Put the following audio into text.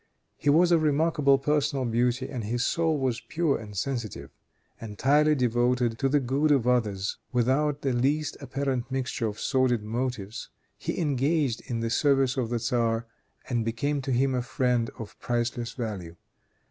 He was of remarkable personal beauty, and his soul was pure and sensitive. Entirely devoted to the good of others, without the least apparent mixture of sordid motives, he engaged in the service of the tzar, and became to him a friend of priceless value.